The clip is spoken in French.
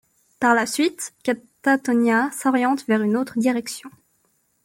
Par la suite, Katatonia s'oriente vers une autre direction.